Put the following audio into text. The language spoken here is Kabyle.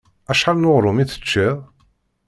Acḥal n uɣrum i teččiḍ?